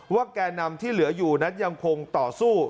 แก่นำที่เหลืออยู่นั้นยังคงต่อสู้